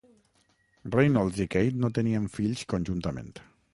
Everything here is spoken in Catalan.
Reynolds i Kate no tenien fills conjuntament.